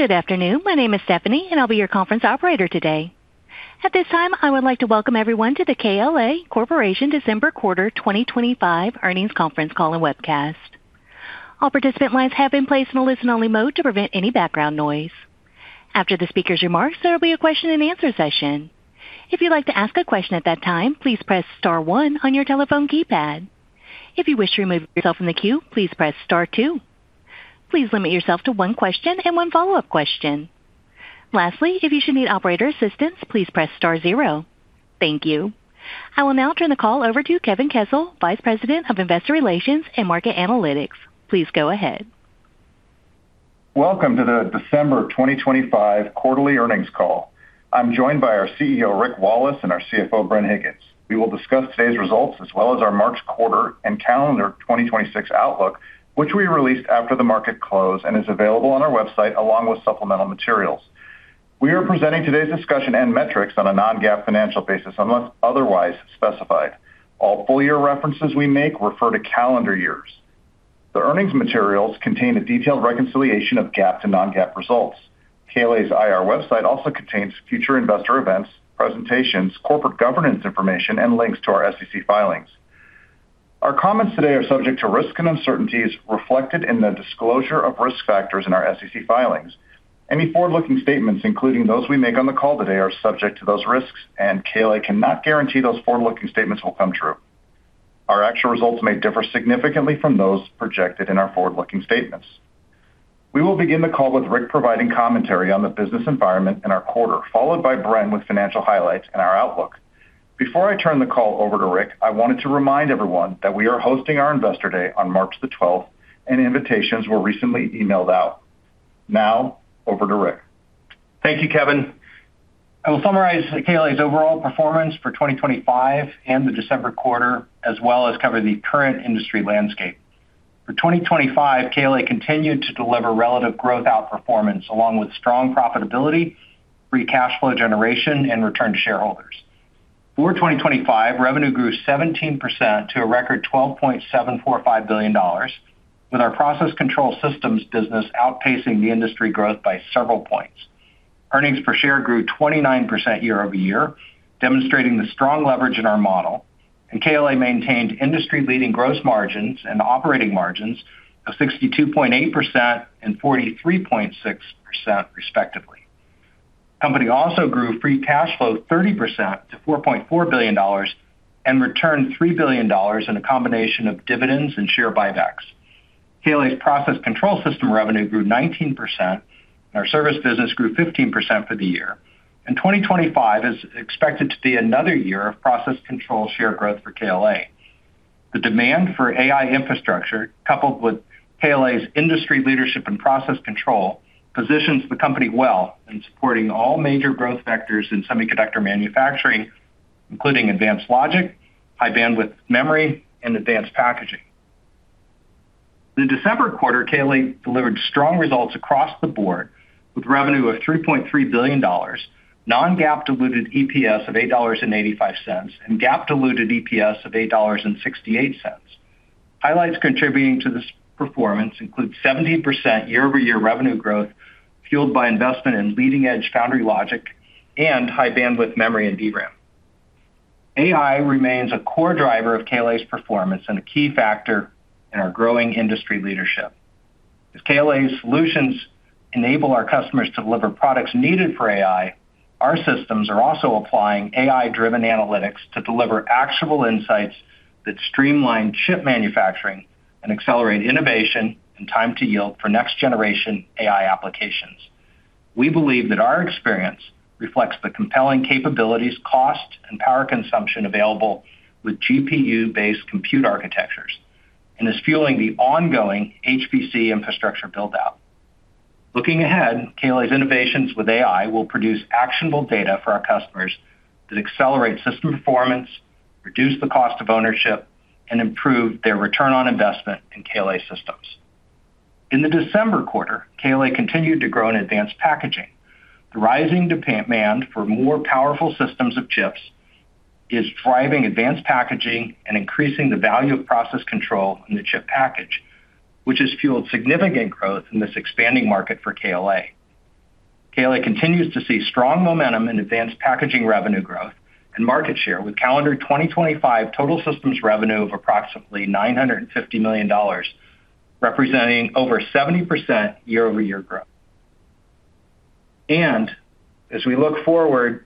Good afternoon. My name is Stephanie, and I'll be your conference operator today. At this time, I would like to welcome everyone to the KLA Corporation December Quarter 2025 Earnings Conference Call and Webcast. All participant lines have been placed in a listen-only mode to prevent any background noise. After the speaker's remarks, there will be a question-and-answer session. If you'd like to ask a question at that time, please press star one on your telephone keypad. If you wish to remove yourself from the queue, please press star two. Please limit yourself to one question and one follow-up question. Lastly, if you should need operator assistance, please press star zero. Thank you. I will now turn the call over to Kevin Kessel, Vice President of Investor Relations and Market Analytics. Please go ahead. Welcome to the December 2025 quarterly earnings call. I'm joined by our CEO, Rick Wallace, and our CFO, Bren Higgins. We will discuss today's results as well as our March quarter and calendar 2026 outlook, which we released after the market close and is available on our website, along with supplemental materials. We are presenting today's discussion and metrics on a non-GAAP financial basis, unless otherwise specified. All full year references we make refer to calendar years. The earnings materials contain a detailed reconciliation of GAAP to non-GAAP results. KLA's IR website also contains future investor events, presentations, corporate governance information, and links to our SEC filings. Our comments today are subject to risks and uncertainties reflected in the disclosure of risk factors in our SEC filings. Any forward-looking statements, including those we make on the call today, are subject to those risks, and KLA cannot guarantee those forward-looking statements will come true. Our actual results may differ significantly from those projected in our forward-looking statements. We will begin the call with Rick providing commentary on the business environment and our quarter, followed by Bren with financial highlights and our outlook. Before I turn the call over to Rick, I wanted to remind everyone that we are hosting our Investor Day on March the twelfth, and invitations were recently emailed out. Now, over to Rick. Thank you, Kevin. I will summarize KLA's overall performance for 2025 and the December quarter, as well as cover the current industry landscape. For 2025, KLA continued to deliver relative growth outperformance, along with strong profitability, free cash flow generation, and return to shareholders. For 2025, revenue grew 17% to a record $12.745 billion, with our process control systems business outpacing the industry growth by several points. Earnings per share grew 29% year-over-year, demonstrating the strong leverage in our model, and KLA maintained industry-leading gross margins and operating margins of 62.8% and 43.6%, respectively. The company also grew free cash flow 30% to $4.4 billion and returned $3 billion in a combination of dividends and share buybacks. KLA's process control system revenue grew 19%, and our service business grew 15% for the year, and 2025 is expected to be another year of process control share growth for KLA. The demand for AI infrastructure, coupled with KLA's industry leadership and process control, positions the company well in supporting all major growth vectors in semiconductor manufacturing, including advanced logic, high bandwidth memory, and advanced packaging. The December quarter, KLA delivered strong results across the board, with revenue of $3.3 billion, non-GAAP diluted EPS of $8.85, and GAAP diluted EPS of $8.68. Highlights contributing to this performance include 17% year-over-year revenue growth, fueled by investment in leading-edge foundry logic and high bandwidth memory and DRAM. AI remains a core driver of KLA's performance and a key factor in our growing industry leadership. As KLA's solutions enable our customers to deliver products needed for AI, our systems are also applying AI-driven analytics to deliver actionable insights that streamline chip manufacturing and accelerate innovation and time to yield for next-generation AI applications. We believe that our experience reflects the compelling capabilities, cost, and power consumption available with GPU-based compute architectures and is fueling the ongoing HPC infrastructure build-out. Looking ahead, KLA's innovations with AI will produce actionable data for our customers that accelerate system performance, reduce the cost of ownership, and improve their return on investment in KLA systems. In the December quarter, KLA continued to grow in advanced packaging. The rising demand for more powerful systems of chips is driving advanced packaging and increasing the value of process control in the chip package, which has fueled significant growth in this expanding market for KLA. KLA continues to see strong momentum in advanced packaging revenue growth and market share, with calendar 2025 total systems revenue of approximately $950 million, representing over 70% year-over-year growth. As we look forward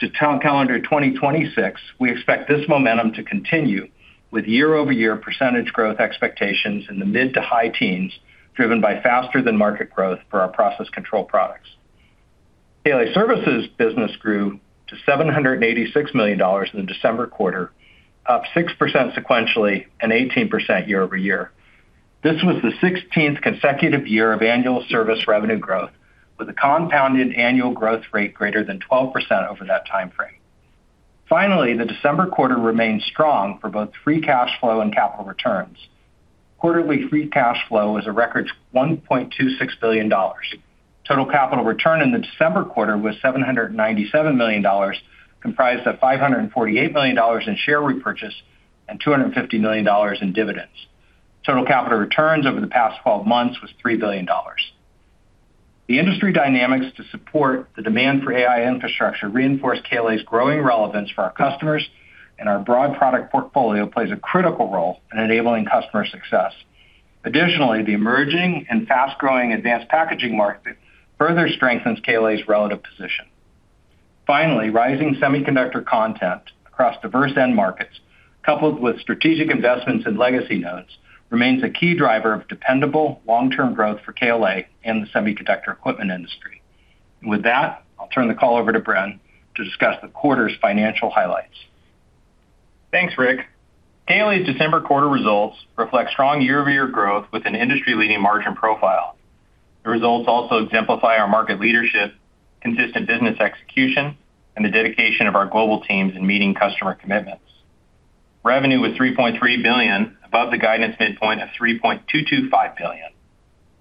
to calendar 2026, we expect this momentum to continue with year-over-year percentage growth expectations in the mid- to high teens, driven by faster than market growth for our process control products. KLA Services business grew to $786 million in the December quarter, up 6% sequentially and 18% year-over-year. This was the 16th consecutive year of annual service revenue growth, with a compounded annual growth rate greater than 12% over that time frame. Finally, the December quarter remained strong for both free cash flow and capital returns. Quarterly free cash flow was a record $1.26 billion. Total capital return in the December quarter was $797 million, comprised of $548 million in share repurchase and $250 million in dividends. Total capital returns over the past 12 months was $3 billion. The industry dynamics to support the demand for AI infrastructure reinforce KLA's growing relevance for our customers, and our broad product portfolio plays a critical role in enabling customer success. Additionally, the emerging and fast-growing advanced packaging market further strengthens KLA's relative position. Finally, rising semiconductor content across diverse end markets, coupled with strategic investments in legacy nodes, remains a key driver of dependable, long-term growth for KLA and the semiconductor equipment industry. With that, I'll turn the call over to Bren, to discuss the quarter's financial highlights. Thanks, Rick. KLA's December quarter results reflect strong year-over-year growth with an industry-leading margin profile. The results also exemplify our market leadership, consistent business execution, and the dedication of our global teams in meeting customer commitments. Revenue was $3.3 billion, above the guidance midpoint of $3.225 billion.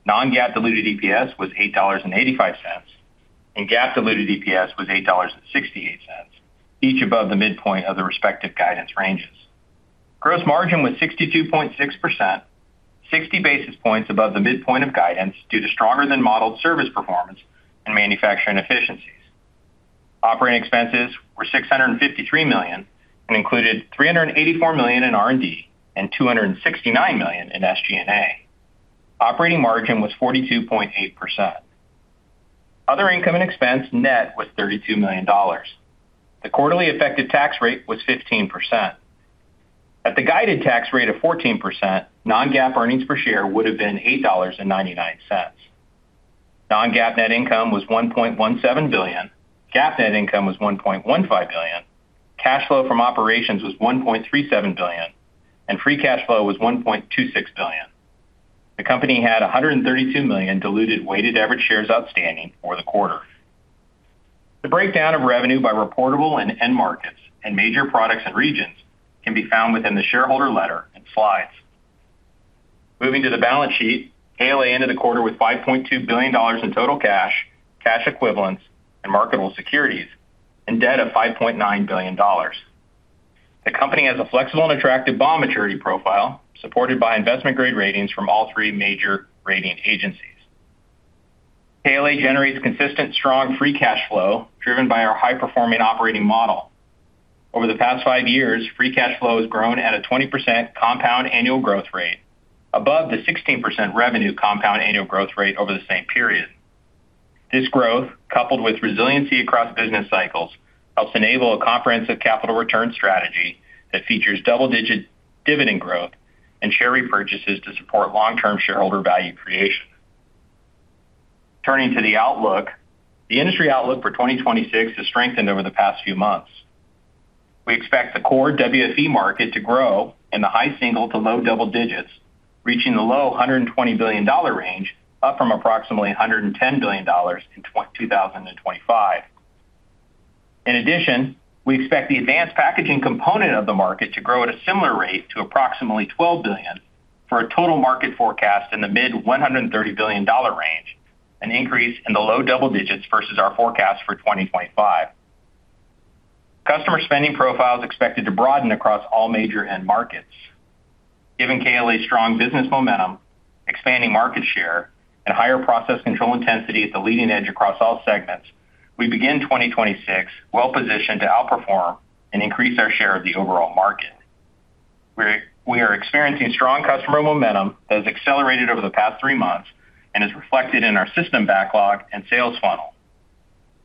Non-GAAP diluted EPS was $8.85, and GAAP diluted EPS was $8.68, each above the midpoint of the respective guidance ranges. Gross margin was 62.6%, 60 basis points above the midpoint of guidance, due to stronger than modeled service performance and manufacturing efficiencies. Operating expenses were $653 million and included $384 million in R&D and $269 million in SG&A. Operating margin was 42.8%. Other income and expense net was $32 million. The quarterly effective tax rate was 15%. At the guided tax rate of 14%, non-GAAP earnings per share would have been $8.99. Non-GAAP net income was $1.17 billion. GAAP net income was $1.15 billion. Cash flow from operations was $1.37 billion, and free cash flow was $1.26 billion. The company had 132 million diluted weighted average shares outstanding for the quarter. The breakdown of revenue by reportable and end markets, and major products and regions, can be found within the shareholder letter and slides. Moving to the balance sheet, KLA ended the quarter with $5.2 billion in total cash, cash equivalents, and marketable securities, and debt of $5.9 billion. The company has a flexible and attractive bond maturity profile, supported by investment-grade ratings from all three major rating agencies. KLA generates consistent, strong free cash flow, driven by our high-performing operating model. Over the past five years, free cash flow has grown at a 20% compound annual growth rate, above the 16% revenue compound annual growth rate over the same period. This growth, coupled with resiliency across business cycles, helps enable a comprehensive capital return strategy that features double-digit dividend growth and share repurchases to support long-term shareholder value creation. Turning to the outlook, the industry outlook for 2026 has strengthened over the past few months. We expect the core WFE market to grow in the high single- to low double-digit %, reaching the low $120 billion range, up from approximately $110 billion in 2025. In addition, we expect the advanced packaging component of the market to grow at a similar rate to approximately $12 billion, for a total market forecast in the mid-$130 billion range, an increase in the low double digits versus our forecast for 2025. Customer spending profile is expected to broaden across all major end markets. Given KLA's strong business momentum, expanding market share, and higher process control intensity at the leading edge across all segments, we begin 2026 well positioned to outperform and increase our share of the overall market. We are experiencing strong customer momentum that has accelerated over the past 3 months and is reflected in our system backlog and sales funnel.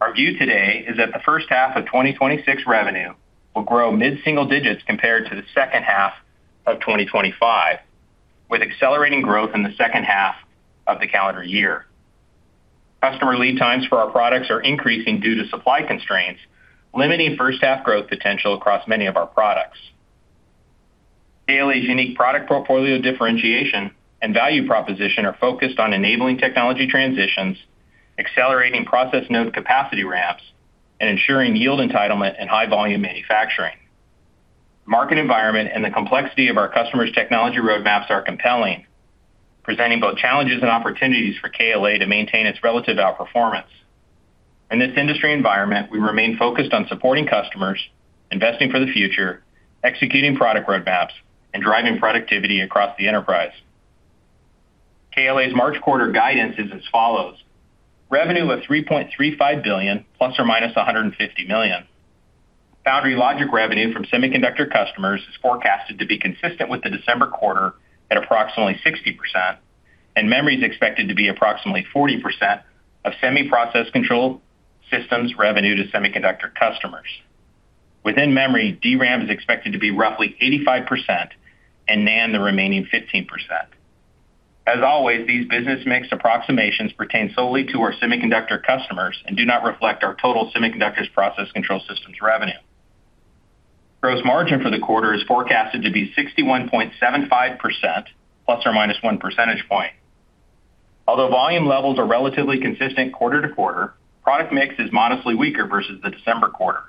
Our view today is that the first half of 2026 revenue will grow mid-single digits compared to the second half of 2025, with accelerating growth in the second half of the calendar year. Customer lead times for our products are increasing due to supply constraints, limiting first half growth potential across many of our products. KLA's unique product portfolio differentiation and value proposition are focused on enabling technology transitions, accelerating process node capacity ramps, and ensuring yield entitlement and high volume manufacturing. Market environment and the complexity of our customers' technology roadmaps are compelling, presenting both challenges and opportunities for KLA to maintain its relative outperformance. In this industry environment, we remain focused on supporting customers, investing for the future, executing product roadmaps, and driving productivity across the enterprise. KLA's March quarter guidance is as follows: revenue of $3.35 billion ± $150 million. Foundry logic revenue from semiconductor customers is forecasted to be consistent with the December quarter at approximately 60%, and memory is expected to be approximately 40% of semiconductor process control systems revenue to semiconductor customers. Within memory, DRAM is expected to be roughly 85% and NAND, the remaining 15%. As always, these business mix approximations pertain solely to our semiconductor customers and do not reflect our total semiconductor process control systems revenue. Gross margin for the quarter is forecasted to be 61.75% ± 1 percentage point. Although volume levels are relatively consistent quarter to quarter, product mix is modestly weaker versus the December quarter.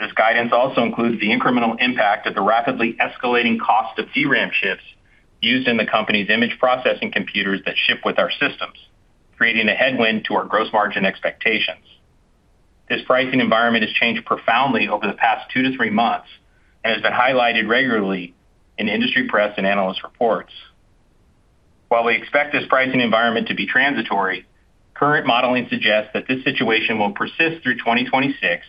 This guidance also includes the incremental impact of the rapidly escalating cost of DRAM chips used in the company's image processing computers that ship with our systems, creating a headwind to our gross margin expectations. This pricing environment has changed profoundly over the past 2-3 months and has been highlighted regularly in industry press and analyst reports. While we expect this pricing environment to be transitory, current modeling suggests that this situation will persist through 2026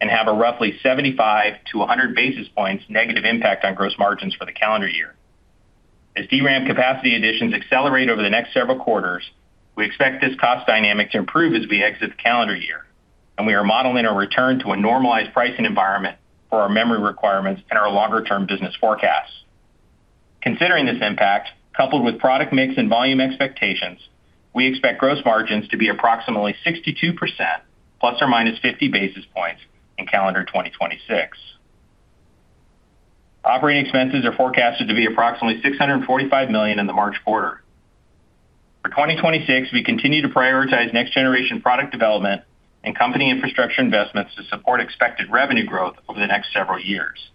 and have a roughly 75-100 basis points negative impact on gross margins for the calendar year. As DRAM capacity additions accelerate over the next several quarters, we expect this cost dynamic to improve as we exit the calendar year, and we are modeling a return to a normalized pricing environment for our memory requirements and our longer-term business forecasts. Considering this impact, coupled with product mix and volume expectations, we expect gross margins to be approximately 62%, ±50 basis points, in calendar 2026. Operating expenses are forecasted to be approximately $645 million in the March quarter. For 2026, we continue to prioritize next-generation product development and company infrastructure investments to support expected revenue growth over the next several years,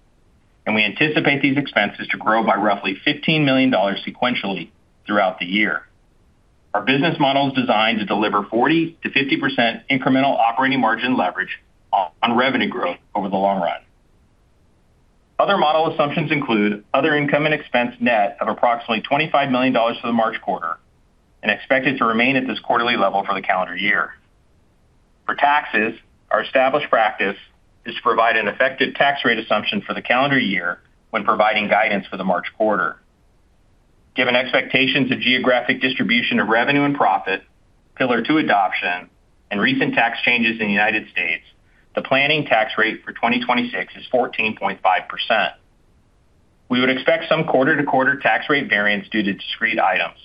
and we anticipate these expenses to grow by roughly $15 million sequentially throughout the year. Our business model is designed to deliver 40%-50% incremental operating margin leverage on revenue growth over the long run. Other model assumptions include other income and expense net of approximately $25 million for the March quarter and expected to remain at this quarterly level for the calendar year. For taxes, our established practice is to provide an effective tax rate assumption for the calendar year when providing guidance for the March quarter. Given expectations of geographic distribution of revenue and profit, Pillar 2 adoption, and recent tax changes in the United States, the planning tax rate for 2026 is 14.5%. We would expect some quarter-to-quarter tax rate variance due to discrete items.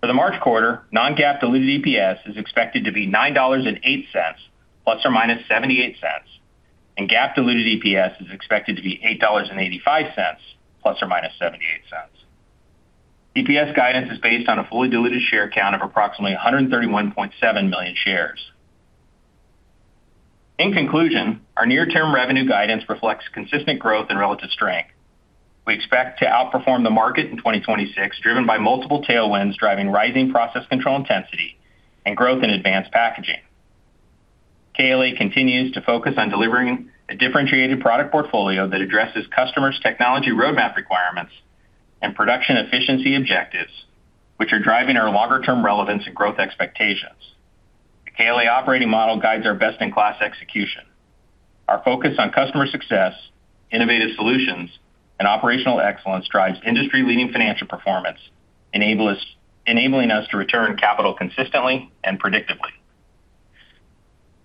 For the March quarter, non-GAAP diluted EPS is expected to be $9.08 ± $0.78, and GAAP diluted EPS is expected to be $8.85 ± $0.78. EPS guidance is based on a fully diluted share count of approximately 131.7 million shares. In conclusion, our near-term revenue guidance reflects consistent growth and relative strength. We expect to outperform the market in 2026, driven by multiple tailwinds, driving rising process control intensity and growth in advanced packaging. KLA continues to focus on delivering a differentiated product portfolio that addresses customers' technology roadmap requirements and production efficiency objectives, which are driving our longer-term relevance and growth expectations. The KLA operating model guides our best-in-class execution. Our focus on customer success, innovative solutions, and operational excellence drives industry-leading financial performance, enabling us to return capital consistently and predictably.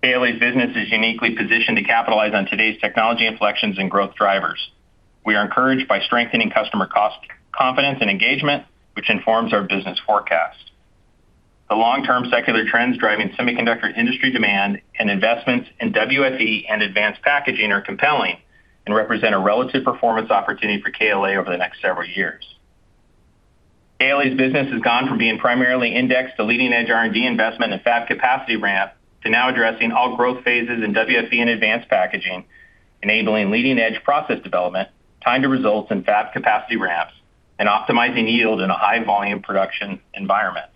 KLA's business is uniquely positioned to capitalize on today's technology inflections and growth drivers. We are encouraged by strengthening customer cost, confidence, and engagement, which informs our business forecast. The long-term secular trends driving semiconductor industry demand and investments in WFE and advanced packaging are compelling and represent a relative performance opportunity for KLA over the next several years. KLA's business has gone from being primarily indexed to leading-edge R&D investment and fab capacity ramp, to now addressing all growth phases in WFE and advanced packaging, enabling leading-edge process development, time to results in fab capacity ramps, and optimizing yield in a high-volume production environment.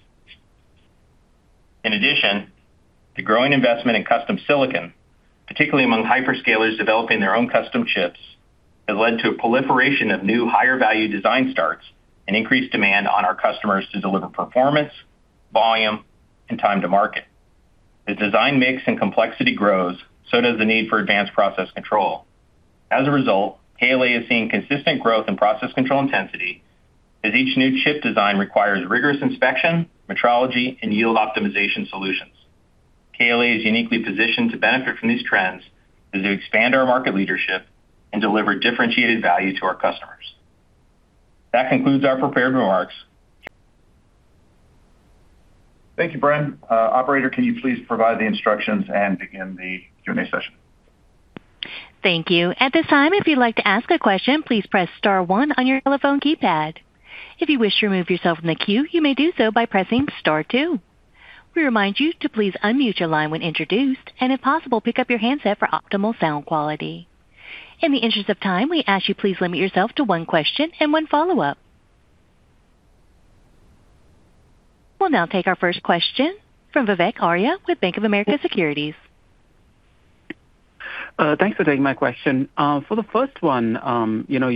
In addition, the growing investment in custom silicon, particularly among hyperscalers developing their own custom chips, has led to a proliferation of new, higher-value design starts and increased demand on our customers to deliver performance, volume, and time to market. As design mix and complexity grows, so does the need for advanced process control. As a result, KLA is seeing consistent growth in process control intensity, as each new chip design requires rigorous inspection, metrology, and yield optimization solutions. KLA is uniquely positioned to benefit from these trends as we expand our market leadership and deliver differentiated value to our customers. That concludes our prepared remarks. Thank you, Brian. Operator, can you please provide the instructions and begin the Q&A session? Thank you. At this time, if you'd like to ask a question, please press star one on your telephone keypad. If you wish to remove yourself from the queue, you may do so by pressing star two. We remind you to please unmute your line when introduced, and if possible, pick up your handset for optimal sound quality. In the interest of time, we ask you please limit yourself to one question and one follow-up. We'll now take our first question from Vivek Arya with Bank of America Securities. Thanks for taking my question. For the first one, you know,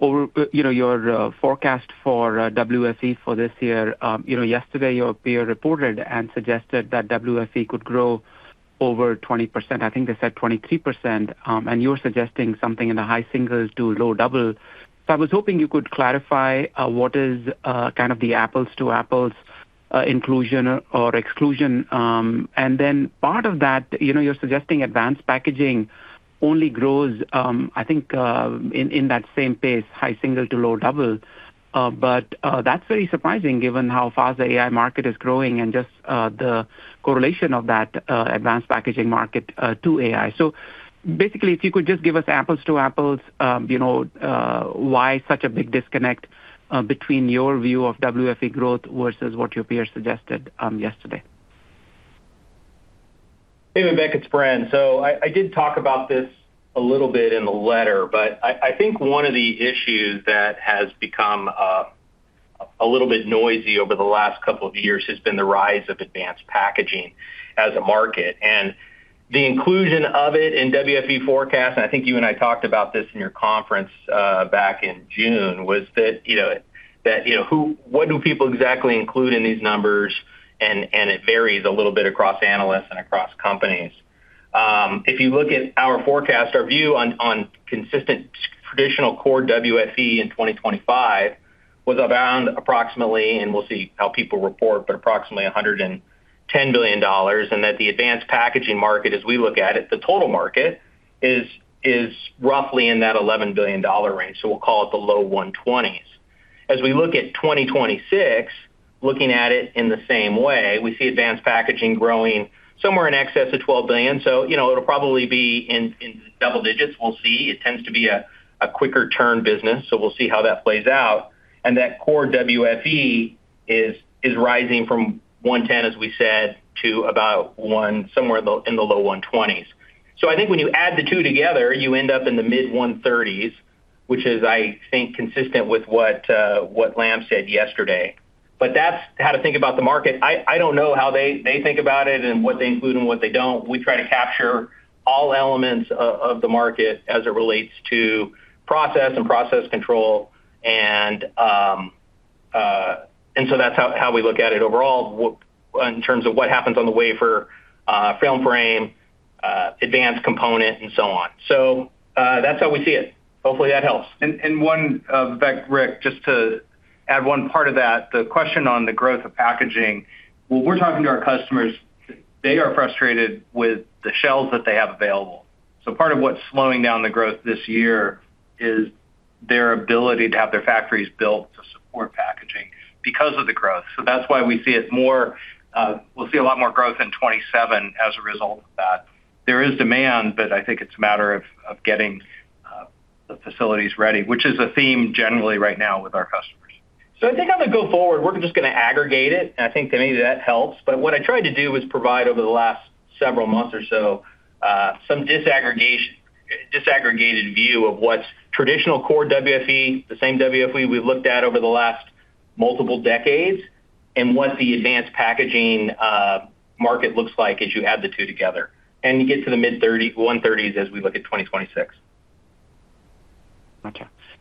your overall forecast for WFE for this year. You know, yesterday, your peer reported and suggested that WFE could grow over 20%. I think they said 23%, and you're suggesting something in the high singles to low double. So I was hoping you could clarify what is kind of the apples-to-apples inclusion or exclusion? And then part of that, you know, you're suggesting advanced packaging only grows, I think, in that same pace, high single to low double. But that's very surprising given how fast the AI market is growing and just the correlation of that advanced packaging market to AI. So basically, if you could just give us apples to apples, you know, why such a big disconnect between your view of WFE growth versus what your peers suggested yesterday? Hey, Vivek, it's Brian. So I did talk about this a little bit in the letter, but I think one of the issues that has become a little bit noisy over the last couple of years has been the rise of advanced packaging as a market. And the inclusion of it in WFE forecast, and I think you and I talked about this in your conference back in June, was that, you know, that, you know, what do people exactly include in these numbers? And it varies a little bit across analysts and across companies. If you look at our forecast, our view on consistent traditional core WFE in 2025 was around approximately, and we'll see how people report, but approximately $110 billion, and that the advanced packaging market, as we look at it, the total market, is roughly in that $11 billion range. So we'll call it the low $120s. As we look at 2026, looking at it in the same way, we see advanced packaging growing somewhere in excess of $12 billion. So, you know, it'll probably be in double digits. We'll see. It tends to be a quicker turn business, so we'll see how that plays out. And that core WFE is rising from $110, as we said, to about one—somewhere in the low $120s. So I think when you add the two together, you end up in the mid-130s, which I think is consistent with what Lam said yesterday. But that's how to think about the market. I don't know how they think about it and what they include and what they don't. We try to capture all elements of the market as it relates to process and process control. And so that's how we look at it overall, in terms of what happens on the wafer, film frame, advanced component, and so on. So that's how we see it. Hopefully, that helps. And one back, Rick, just to add one part of that, the question on the growth of packaging. When we're talking to our customers, they are frustrated with the shelves that they have available. So part of what's slowing down the growth this year is their ability to have their factories built to support packaging because of the growth. So that's why we see it more—we'll see a lot more growth in 2027 as a result of that. There is demand, but I think it's a matter of getting the facilities ready, which is a theme generally right now with our customers. So I think I'm going to go forward. We're just going to aggregate it, and I think maybe that helps. But what I tried to do was provide, over the last several months or so, some disaggregation, disaggregated view of what's traditional core WFE, the same WFE we've looked at over the last multiple decades, and what the advanced packaging market looks like as you add the two together. And you get to the mid-$30s, $130s, as we look at 2026.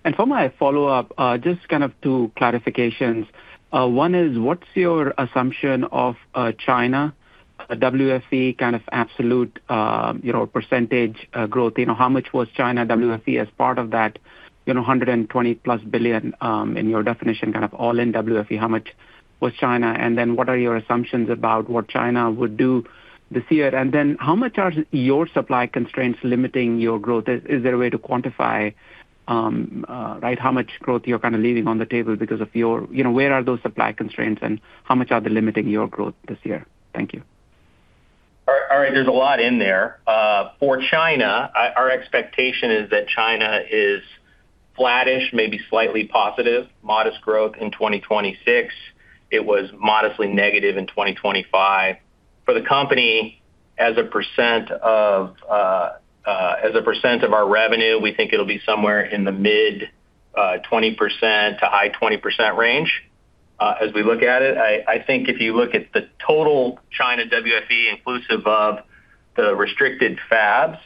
Okay. For my follow-up, just kind of two clarifications. One is, what's your assumption of China WFE, kind of absolute, you know, percentage growth? You know, how much was China WFE as part of that $120+ billion, in your definition, kind of all in WFE, how much was China? And then what are your assumptions about what China would do this year? And then how much are your supply constraints limiting your growth? Is there a way to quantify, right, how much growth you're kind of leaving on the table because of your. You know, where are those supply constraints, and how much are they limiting your growth this year? Thank you. All right, there's a lot in there. For China, our expectation is that China is flattish, maybe slightly positive, modest growth in 2026. It was modestly negative in 2025. For the company, as a percent of, as a percent of our revenue, we think it'll be somewhere in the mid-20% to high-20% range, as we look at it. I think if you look at the total China WFE, inclusive of the restricted fabs,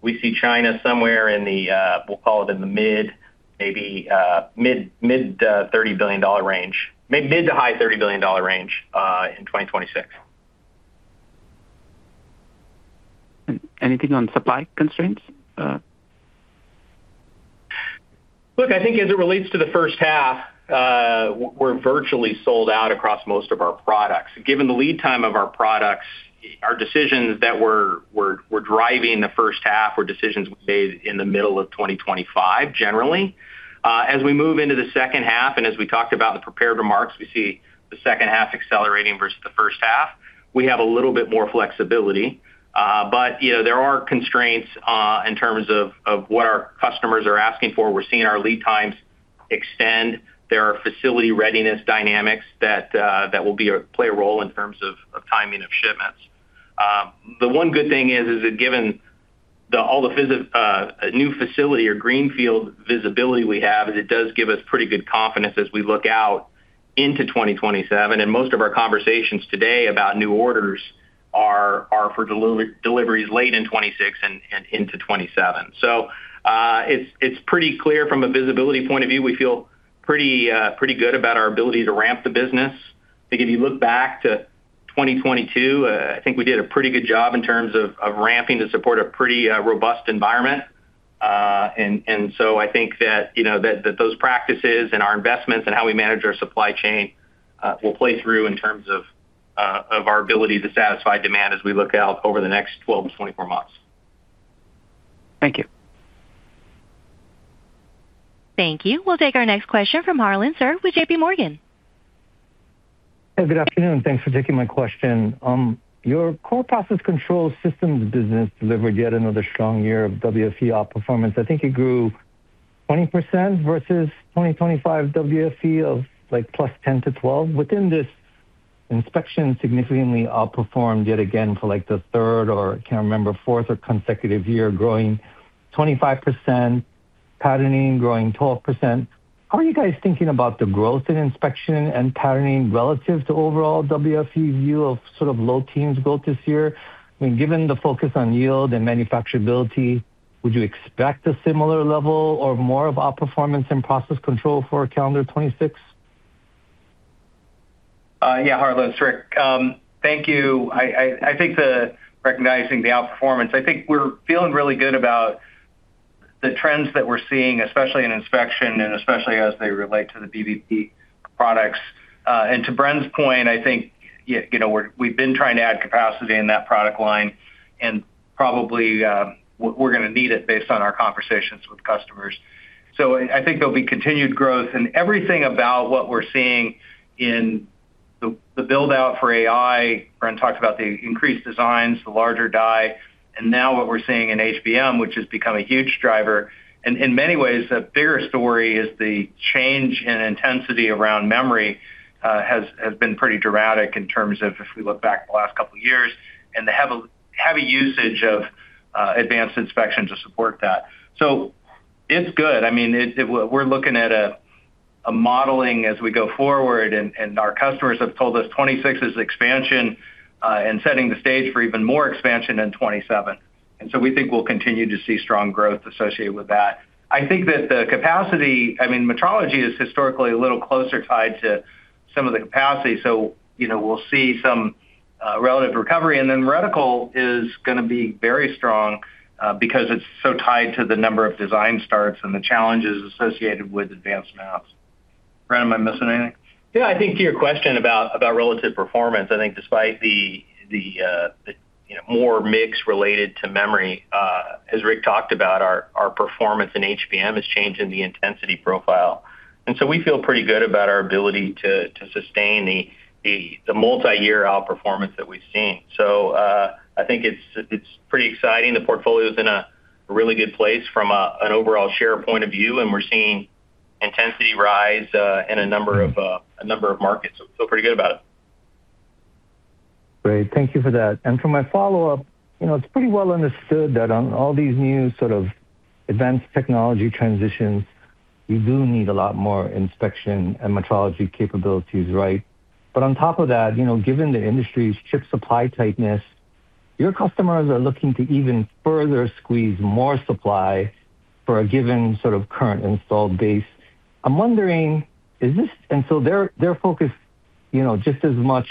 we see China somewhere in the, we'll call it in the mid-, maybe mid-$30 billion range. Mid- to high-$30 billion range, in 2026. Anything on supply constraints? Look, I think as it relates to the first half, we're virtually sold out across most of our products. Given the lead time of our products, our decisions that we're driving the first half were decisions we made in the middle of 2025, generally. As we move into the second half, and as we talked about the prepared remarks, we see the second half accelerating versus the first half. We have a little bit more flexibility, but, you know, there are constraints in terms of what our customers are asking for. We're seeing our lead times extend. There are facility readiness dynamics that will play a role in terms of timing of shipments. The one good thing is that given all the new facility or greenfield visibility we have, it does give us pretty good confidence as we look out into 2027, and most of our conversations today about new orders are for deliveries late in 2026 and into 2027. So, it's pretty clear from a visibility point of view, we feel pretty good about our ability to ramp the business. I think if you look back to 2022, I think we did a pretty good job in terms of ramping to support a pretty robust environment. So I think that, you know, those practices and our investments and how we manage our supply chain will play through in terms of our ability to satisfy demand as we look out over the next 12-24 months. Thank you. Thank you. We'll take our next question from Harlan Sur with J.P. Morgan. Hey, good afternoon, thanks for taking my question. Your core process control systems business delivered yet another strong year of WFE outperformance. I think it grew 20% versus 2025 WFE of, like, +10 to 12. Within this, inspection significantly outperformed yet again for, like, the third or I can't remember, fourth consecutive year, growing 25%, patterning growing 12%. How are you guys thinking about the growth in inspection and patterning relative to overall WFE view of sort of low-teens growth this year? I mean, given the focus on yield and manufacturability, would you expect a similar level or more of outperformance in process control for calendar 2026? Yeah, Harlan, it's Rick. Thank you. I think the -- recognizing the outperformance, I think we're feeling really good about the trends that we're seeing, especially in inspection and especially as they relate to the BBP products. And to Bren's point, I think, you know, we've been trying to add capacity in that product line, and probably, we're going to need it based on our conversations with customers. So I think there'll be continued growth, and everything about what we're seeing in the build-out for AI, Bren talked about the increased designs, the larger die, and now what we're seeing in HBM, which has become a huge driver. And in many ways, the bigger story is the change in intensity around memory has been pretty dramatic in terms of if we look back the last couple of years, and the heavy, heavy usage of advanced inspection to support that. So it's good. I mean, it -- we're looking at a modeling as we go forward, and our customers have told us 2026 is expansion, and setting the stage for even more expansion in 2027. And so we think we'll continue to see strong growth associated with that. I think that the capacity -- I mean, metrology is historically a little closer tied to some of the capacity, so, you know, we'll see some relative recovery. And then reticle is going to be very strong, because it's so tied to the number of design starts and the challenges associated with advanced masks. Bren, am I missing anything? Yeah, I think to your question about relative performance, I think despite the you know, more mix related to memory, as Rick talked about, our performance in HBM is changing the intensity profile. And so we feel pretty good about our ability to sustain the multiyear outperformance that we've seen. So, I think it's pretty exciting. The portfolio is in a really good place from an overall share point of view, and we're seeing intensity rise in a number of markets. So we feel pretty good about it. Great. Thank you for that. And for my follow-up, you know, it's pretty well understood that on all these new sort of advanced technology transitions, you do need a lot more inspection and metrology capabilities, right? But on top of that, you know, given the industry's chip supply tightness, your customers are looking to even further squeeze more supply for a given sort of current installed base. I'm wondering, is this—and so their, their focus, you know, just as much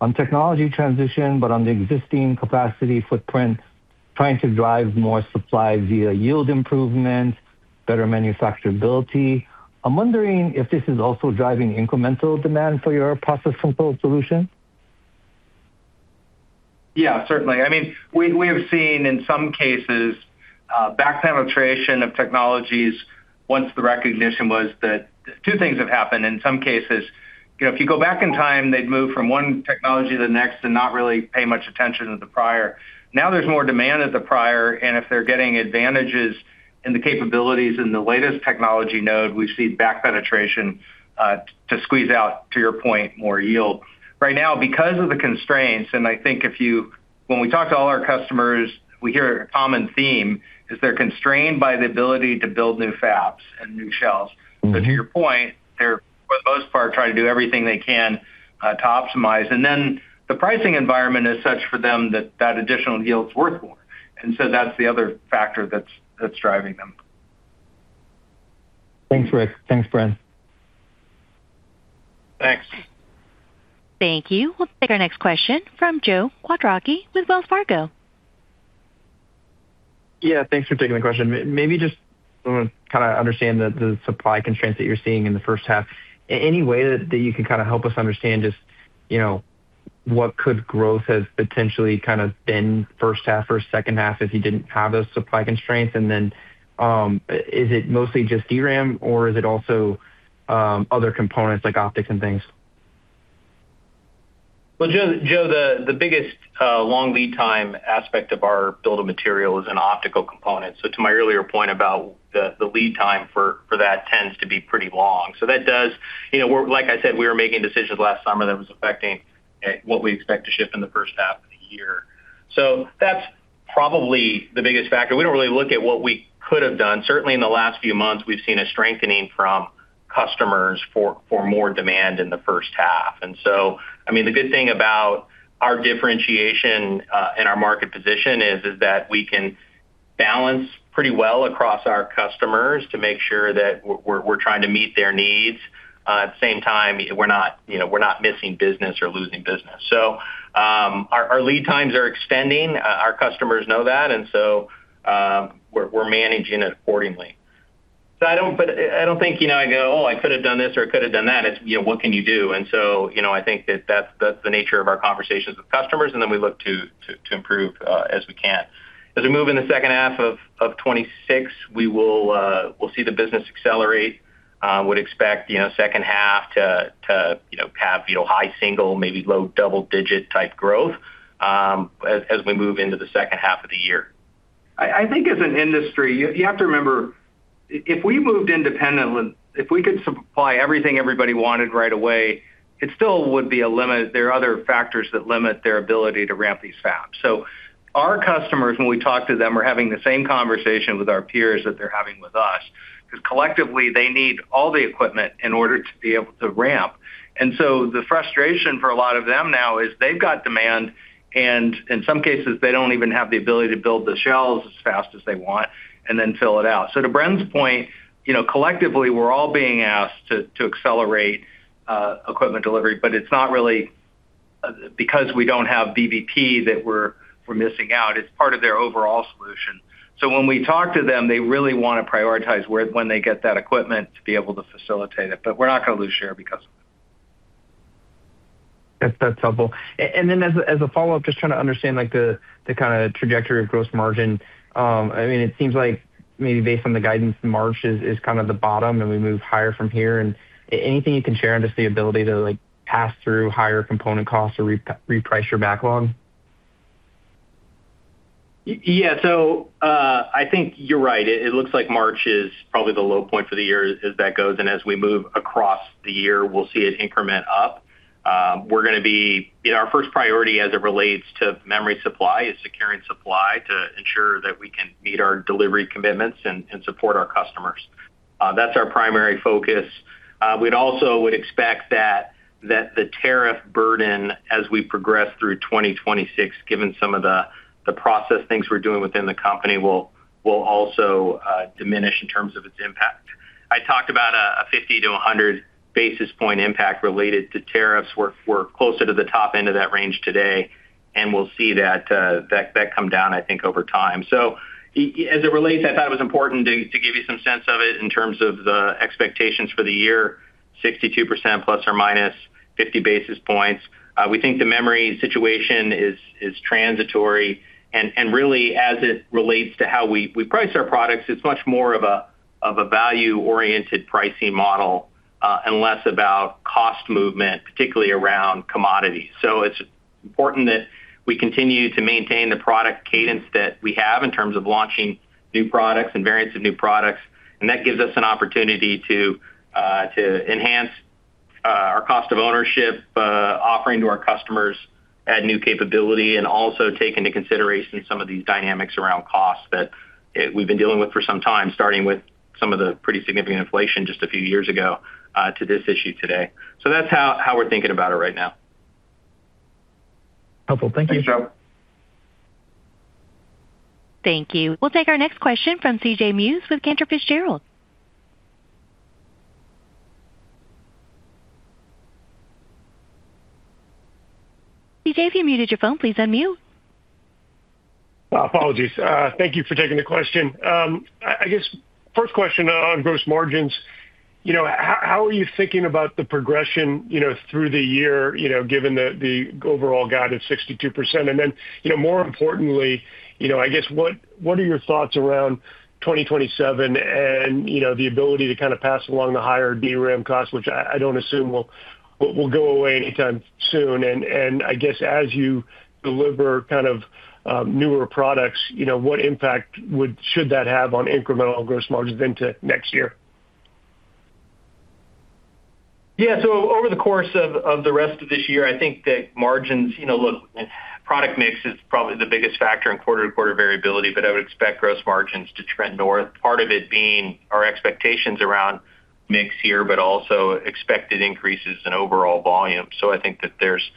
on technology transition, but on the existing capacity footprint, trying to drive more supply via yield improvements, better manufacturability. I'm wondering if this is also driving incremental demand for your process control solution? Yeah, certainly. I mean, we have seen, in some cases, back penetration of technologies once the recognition was that two things have happened. In some cases, you know, if you go back in time, they'd move from one technology to the next and not really pay much attention to the prior. Now, there's more demand at the prior, and if they're getting advantages in the capabilities in the latest technology node, we see back penetration to squeeze out, to your point, more yield. Right now, because of the constraints, and I think if you, when we talk to all our customers, we hear a common theme, is they're constrained by the ability to build new fabs and new shelves. Mm-hmm. But to your point, they're, for the most part, trying to do everything they can to optimize. And then the pricing environment is such for them that, that additional yield is worth more, and so that's the other factor that's, that's driving them. Thanks, Rick. Thanks, Bren. Thanks. Thank you. We'll take our next question from Joe Quatrochi with Wells Fargo. Yeah, thanks for taking the question. Maybe just kind of understand the supply constraints that you're seeing in the first half. Any way that you can kind of help us understand just, you know, what could growth have potentially kind of been first half or second half if you didn't have those supply constraints? And then, is it mostly just DRAM, or is it also other components, like optics and things? Well, Joe, Joe, the biggest long lead time aspect of our bill of materials is an optical component. So to my earlier point about the lead time for that tends to be pretty long. So that does, you know, we're, like I said, we were making decisions last summer that was affecting what we expect to ship in the first half of the year. So that's probably the biggest factor. We don't really look at what we could have done. Certainly, in the last few months, we've seen a strengthening from customers for more demand in the first half. And so, I mean, the good thing about our differentiation and our market position is that we can balance pretty well across our customers to make sure that we're trying to meet their needs. At the same time, we're not, you know, we're not missing business or losing business. So, our lead times are extending. Our customers know that, and so, we're managing it accordingly. So I don't-- but I don't think, you know, I go, "Oh, I could have done this, or I could have done that." It's, you know, what can you do? And so, you know, I think that that's the nature of our conversations with customers, and then we look to improve as we can. As we move in the second half of 2026, we will see the business accelerate. Would expect, you know, second half to, you know, have, you know, high single, maybe low double-digit type growth, as we move into the second half of the year. I think as an industry, you have to remember, if we moved independently, if we could supply everything everybody wanted right away, it still would be a limit. There are other factors that limit their ability to ramp these fabs. So our customers, when we talk to them, are having the same conversation with our peers that they're having with us, because collectively, they need all the equipment in order to be able to ramp. And so the frustration for a lot of them now is they've got demand, and in some cases, they don't even have the ability to build the shelves as fast as they want and then fill it out. So to Bren's point, you know, collectively, we're all being asked to accelerate equipment delivery, but it's not really because we don't have BBP that we're missing out. It's part of their overall solution. So when we talk to them, they really want to prioritize where, when they get that equipment to be able to facilitate it. But we're not going to lose share because of it. That's helpful. And then as a follow-up, just trying to understand, like, the kind of trajectory of gross margin. I mean, it seems like maybe based on the guidance, March is kind of the bottom, and we move higher from here. And anything you can share on just the ability to, like, pass through higher component costs or reprice your backlog? Yeah. So, I think you're right. It looks like March is probably the low point for the year as that goes, and as we move across the year, we'll see it increment up. We're going to be-- you know, our first priority as it relates to memory supply is securing supply to ensure that we can meet our delivery commitments and support our customers. That's our primary focus. We'd also expect that the tariff burden as we progress through 2026, given some of the process things we're doing within the company, will also diminish in terms of its impact. I talked about a 50-100 basis point impact related to tariffs. We're closer to the top end of that range today, and we'll see that come down, I think, over time. So as it relates, I thought it was important to give you some sense of it in terms of the expectations for the year, 62% ± 50 basis points. We think the memory situation is transitory. And really, as it relates to how we price our products, it's much more of a value-oriented pricing model, and less about cost movement, particularly around commodities. So it's important that we continue to maintain the product cadence that we have in terms of launching new products and variants of new products, and that gives us an opportunity to enhance our cost of ownership offering to our customers, add new capability, and also take into consideration some of these dynamics around costs that we've been dealing with for some time, starting with some of the pretty significant inflation just a few years ago to this issue today. So that's how we're thinking about it right now. Helpful. Thank you. Thanks, Joe. Thank you. We'll take our next question from C.J. Muse with Cantor Fitzgerald. C.J., if you muted your phone, please unmute. Apologies. Thank you for taking the question. I guess first question on gross margins, you know, how are you thinking about the progression, you know, through the year, you know, given the overall guide of 62%? And then, you know, more importantly, you know, I guess, what are your thoughts around 2027 and, you know, the ability to kind of pass along the higher DRAM costs, which I don't assume will go away anytime soon. And I guess as you deliver kind of newer products, you know, what impact would should that have on incremental gross margins into next year? Yeah. So over the course of the rest of this year, I think that margins, you know, look, product mix is probably the biggest factor in quarter-to-quarter variability, but I would expect gross margins to trend north. Part of it being our expectations around mix here, but also expected increases in overall volume. So I think that there's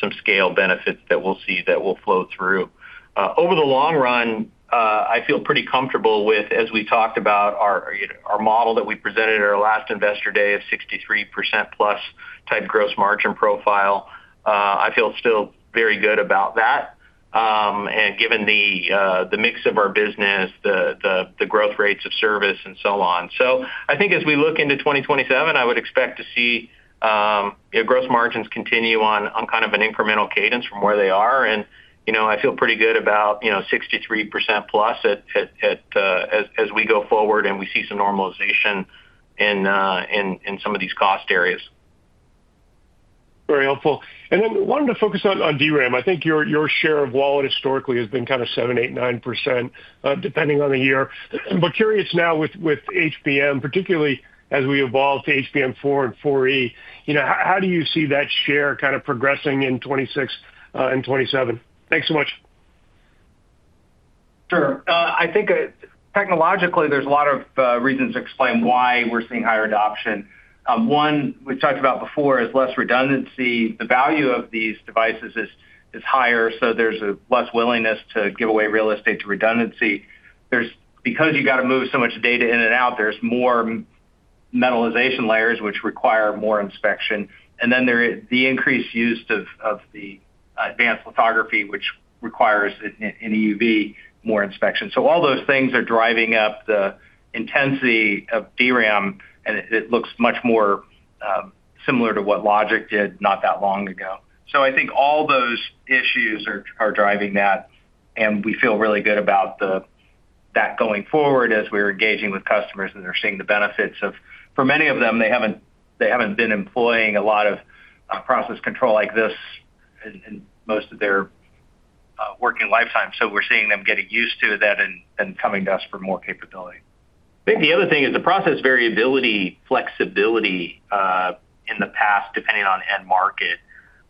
some scale benefits that we'll see that will flow through. Over the long run, I feel pretty comfortable with, as we talked about, our, you know, our model that we presented at our last Investor Day of 63% plus type gross margin profile. I feel still very good about that, and given the mix of our business, the growth rates of service and so on. So I think as we look into 2027, I would expect to see, you know, gross margins continue on, on kind of an incremental cadence from where they are. And, you know, I feel pretty good about, you know, 63%+ at, as we go forward and we see some normalization in, in some of these cost areas. Very helpful. And then wanted to focus on DRAM. I think your share of wallet historically has been kind of 7, 8, 9%, depending on the year. But curious now with HBM, particularly as we evolve to HBM4 and HBM4E, you know, how do you see that share kind of progressing in 2026 and 2027? Thanks so much. Sure. I think, technologically, there's a lot of reasons to explain why we're seeing higher adoption. One, we talked about before, is less redundancy. The value of these devices is, is higher, so there's a less willingness to give away real estate to redundancy. There's because you got to move so much data in and out, there's more metallization layers, which require more inspection, and then there is the increased use of, of the, advanced lithography, which requires an EUV, more inspection. So all those things are driving up the intensity of DRAM, and it, it looks much more similar to what logic did not that long ago. So I think all those issues are, are driving that, and we feel really good about that going forward as we're engaging with customers, and they're seeing the benefits of... For many of them, they haven't been employing a lot of process control like this and most of their working lifetime. So we're seeing them getting used to that and coming to us for more capability. I think the other thing is the process variability, flexibility in the past, depending on end market,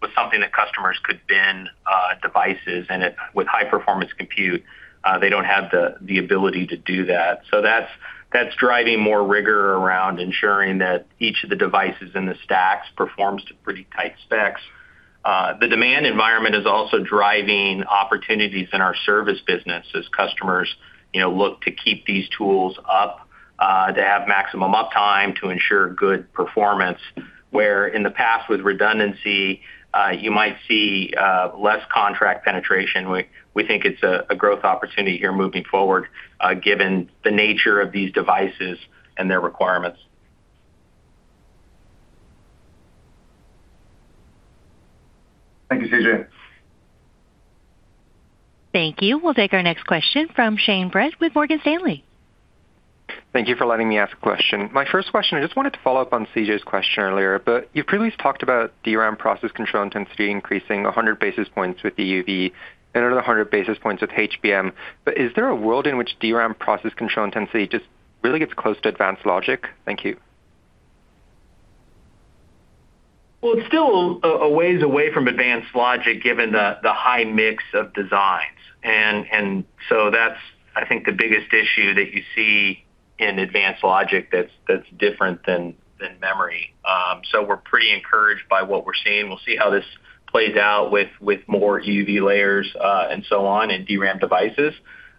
was something that customers could bin devices, and it with high-performance compute they don't have the ability to do that. So that's driving more rigor around ensuring that each of the devices in the stacks performs to pretty tight specs. The demand environment is also driving opportunities in our service business as customers, you know, look to keep these tools up to have maximum uptime to ensure good performance, where in the past, with redundancy you might see less contract penetration. We think it's a growth opportunity here moving forward, given the nature of these devices and their requirements. Thank you, C.J. Thank you. We'll take our next question from Shane Moore with Morgan Stanley. Thank you for letting me ask a question. My first question, I just wanted to follow up on C.J.'s question earlier, but you've previously talked about DRAM process control intensity increasing 100 basis points with EUV and another 100 basis points with HBM. But is there a world in which DRAM process control intensity just really gets close to advanced logic? Thank you. Well, it's still a ways away from advanced logic, given the high mix of designs. And so that's, I think, the biggest issue that you see in advanced logic that's different than memory. So we're pretty encouraged by what we're seeing. We'll see how this plays out with more EUV layers and so on, in DRAM devices.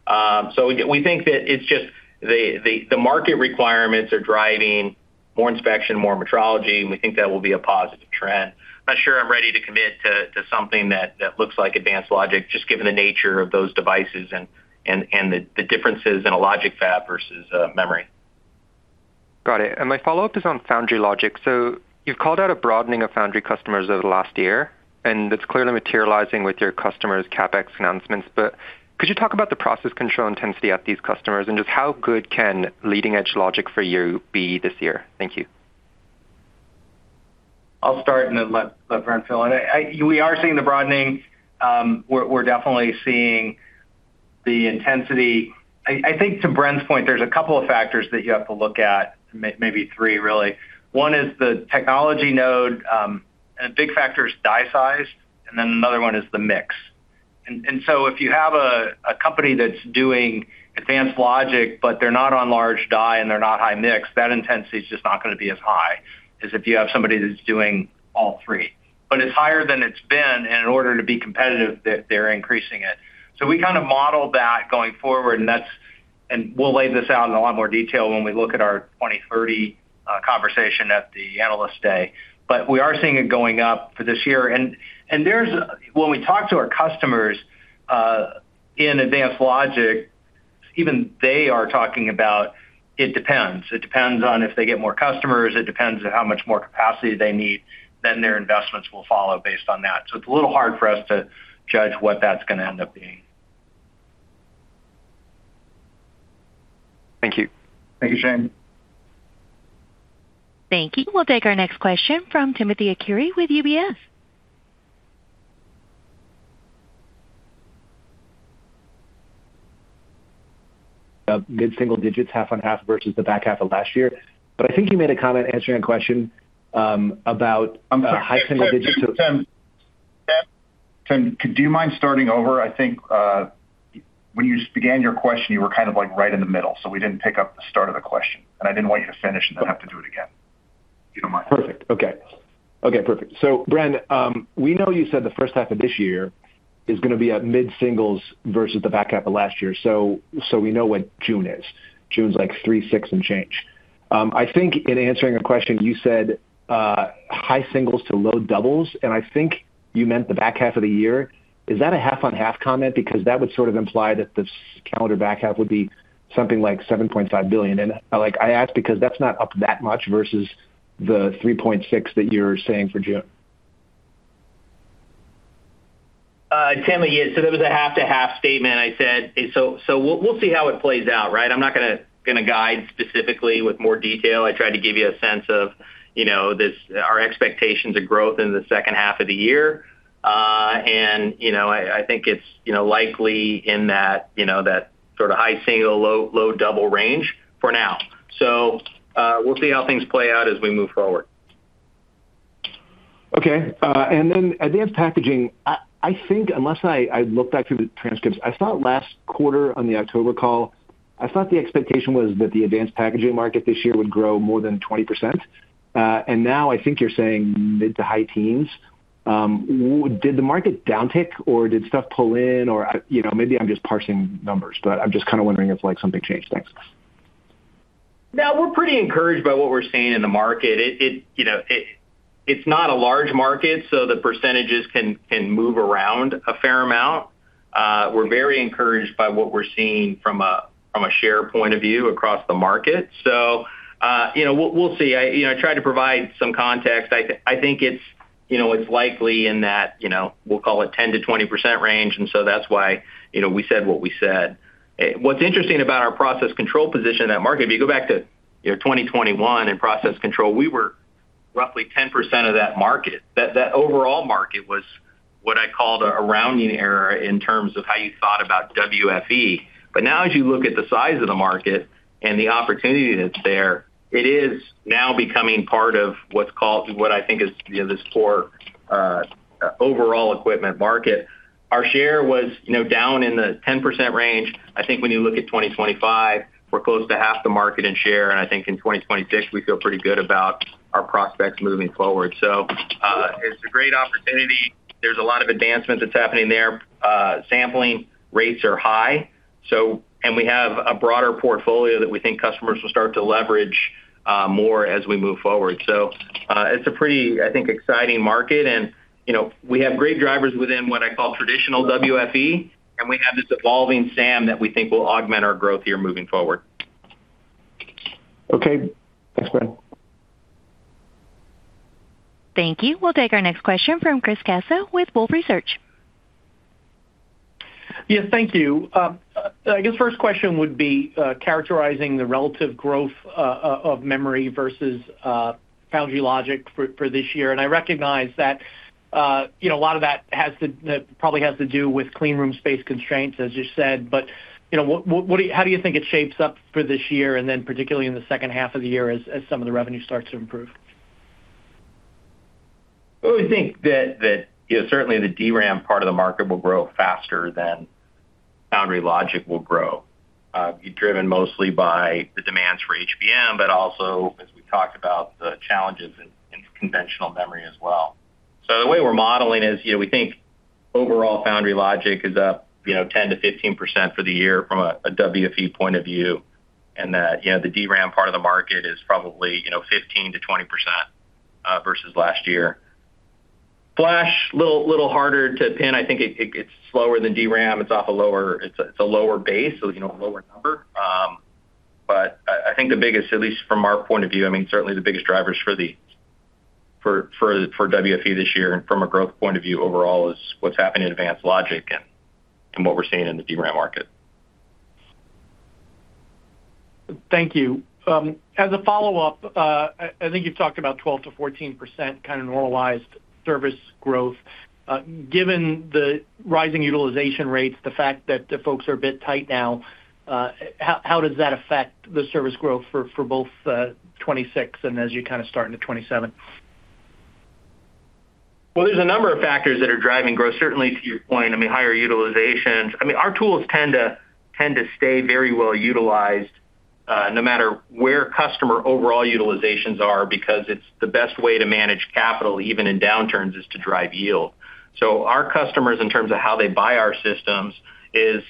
So we think that it's just the market requirements are driving more inspection, more metrology, and we think that will be a positive trend. I'm not sure I'm ready to commit to something that looks like advanced logic, just given the nature of those devices and the differences in a logic fab versus memory. Got it. My follow-up is on Foundry Logic. You've called out a broadening of foundry customers over the last year, and it's clearly materializing with your customers' CapEx announcements. Could you talk about the process control intensity at these customers, and just how good can leading-edge logic for you be this year? Thank you. I'll start and then let Bren fill in. We are seeing the broadening. We're definitely seeing the intensity. I think to Bren's point, there's a couple of factors that you have to look at, maybe three, really. One is the technology node, and a big factor is die size, and then another one is the mix. And so if you have a company that's doing advanced logic, but they're not on large die and they're not high mix, that intensity is just not going to be as high as if you have somebody that's doing all three. But it's higher than it's been, and in order to be competitive, they're increasing it. So we kind of model that going forward, and that's and we'll lay this out in a lot more detail when we look at our 2030 conversation at the Analyst Day. But we are seeing it going up for this year. And there's when we talk to our customers in advanced logic, even they are talking about it depends. It depends on if they get more customers, it depends on how much more capacity they need, then their investments will follow based on that. So it's a little hard for us to judge what that's going to end up being. Thank you. Thank you, Shane. Thank you. We'll take our next question from Timothy Arcuri with UBS. Mid-single digits, half on half versus the back half of last year. But I think you made a comment answering a question about high single digits- Tim, Tim, Tim. Do you mind starting over? I think, when you began your question, you were kind of, like, right in the middle, so we didn't pick up the start of the question, and I didn't want you to finish and then have to do it again, if you don't mind. Perfect. Okay. Okay, perfect. So, Bren, we know you said the first half of this year is going to be at mid-singles versus the back half of last year. So we know what June is. June's, like, $3.6 and change. I think in answering a question, you said high singles to low doubles, and I think you meant the back half of the year. Is that a half-on-half comment? Because that would sort of imply that the calendar back half would be something like $7.5 billion. And I, like, I ask because that's not up that much versus the $3.6 that you're saying for June. Tim, yeah, so that was a half-to-half statement I said. So we'll see how it plays out, right? I'm not going to guide specifically with more detail. I tried to give you a sense of, you know, this, our expectations of growth in the second half of the year. And, you know, I think it's, you know, likely in that, you know, that sort of high single, low double range for now. So, we'll see how things play out as we move forward. Okay. And then advanced packaging. I think, unless I look back through the transcripts, I thought last quarter on the October call, I thought the expectation was that the Advanced Packaging market this year would grow more than 20%. And now I think you're saying mid- to high-teens %. Did the market downtick, or did stuff pull in? Or, you know, maybe I'm just parsing numbers, but I'm just kind of wondering if, like, something changed. Thanks. No, we're pretty encouraged by what we're seeing in the market. It, it, you know, it, it's not a large market, so the percentages can, can move around a fair amount. We're very encouraged by what we're seeing from a, from a share point of view across the market. So, you know, we'll, we'll see. I, you know, I tried to provide some context. I think it's, you know, it's likely in that, you know, we'll call it 10%-20% range, and so that's why, you know, we said what we said. What's interesting about our process control position in that market, if you go back to... 2021 in process control, we were roughly 10% of that market. That, that overall market was what I called a rounding error in terms of how you thought about WFE. But now, as you look at the size of the market and the opportunity that's there, it is now becoming part of what's called, what I think is, you know, this core, overall equipment market. Our share was, you know, down in the 10% range. I think when you look at 2025, we're close to half the market in share, and I think in 2026, we feel pretty good about our prospects moving forward. So, it's a great opportunity. There's a lot of advancements that's happening there. Sampling rates are high, so and we have a broader portfolio that we think customers will start to leverage, more as we move forward. So, it's a pretty, I think, exciting market. You know, we have great drivers within what I call traditional WFE, and we have this evolving SAM that we think will augment our growth here moving forward. Okay. Thanks, Brad. Thank you. We'll take our next question from Chris Casso with Wolfe Research. Yes, thank you. I guess first question would be characterizing the relative growth of memory versus Foundry Logic for this year. And I recognize that, you know, a lot of that probably has to do with clean room space constraints, as you said. But, you know, how do you think it shapes up for this year, and then particularly in the second half of the year, as some of the revenue starts to improve? Well, we think that you know, certainly the DRAM part of the market will grow faster than Foundry Logic will grow, be driven mostly by the demands for HBM, but also, as we talked about, the challenges in conventional memory as well. So the way we're modeling is, you know, we think overall Foundry Logic is up you know, 10%-15% for the year from a WFE point of view, and that you know, the DRAM part of the market is probably you know, 15%-20% versus last year. Flash, a little harder to pin. I think it's slower than DRAM. It's off a lower base, so you know, a lower number. But I think the biggest, at least from our point of view, I mean, certainly the biggest drivers for WFE this year and from a growth point of view overall, is what's happening in advanced logic and what we're seeing in the DRAM market. Thank you. As a follow-up, I think you've talked about 12%-14% kind of normalized service growth. Given the rising utilization rates, the fact that the folks are a bit tight now, how does that affect the service growth for both 2026 and as you kind of start into 2027? Well, there's a number of factors that are driving growth, certainly to your point, I mean, higher utilizations. I mean, our tools tend to, tend to stay very well utilized, no matter where customer overall utilizations are, because it's the best way to manage capital, even in downturns, is to drive yield. So our customers, in terms of how they buy our systems, is